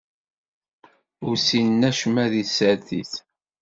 Ur ssinen acemma di tsertit.